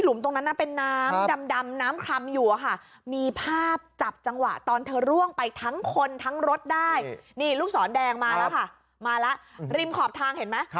ตรงนั้นน่ะเป็นน้ำดำน้ำคลำอยู่อะค่ะมีภาพจับจังหวะตอนเธอร่วงไปทั้งคนทั้งรถได้นี่ลูกศรแดงมาแล้วค่ะมาแล้วริมขอบทางเห็นไหม